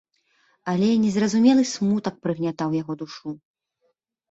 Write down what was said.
Але незразумелы смутак прыгнятаў яго душу.